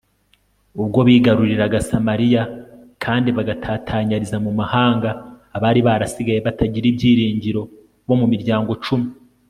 ubwo bigaruriraga samariya kandi bagatatanyiriza mu mahanga abari barasigaye batagira ibyiringiro bo mu miryango cumi